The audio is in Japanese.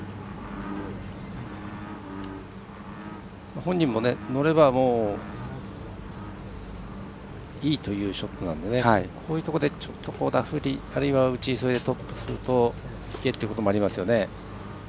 本人も乗ればいいというショットなのでこういうところでちょっとダフりあるいは打ち急ぐと池ということもありますよね。